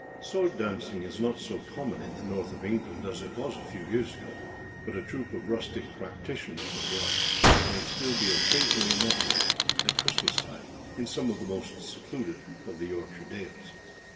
[SWORD DANCING is not so common in the North of England as it was a few years ago; but a troop of rustic practitioners of the art may still be occasionally met with at Christmas time, in some of the most secluded of the Yorkshire dales.